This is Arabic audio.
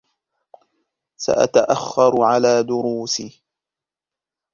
سأتأخّر على دروسي.